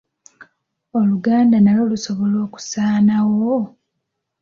Oluganda nalwo lusobola okusaanawo?